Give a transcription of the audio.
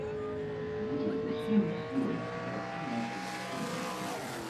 Будзем усімі сіламі берагчы нашых дзяцей!